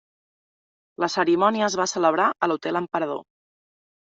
La cerimònia es va celebrar a l'Hotel Emperador.